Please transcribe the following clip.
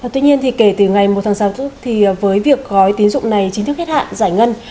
tuy nhiên thì kể từ ngày một tháng sáu với việc gói tín dụng này chính thức hết hạn giải ngân